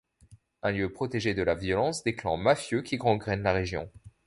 Un lieu protégé de la violence des clans mafieux qui gangrènent la région.